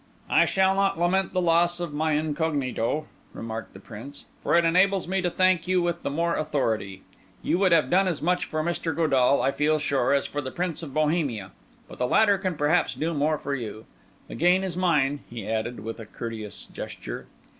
"I shall not lament the loss of my incognito," remarked the Prince, "for it enables me to thank you with the more authority. You would have done as much for Mr. Godall, I feel sure, as for the Prince of Bohemia; but the latter can perhaps do more for you. The gain is mine," he added, with a courteous gesture.